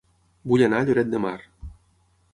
Vull anar a Lloret de Mar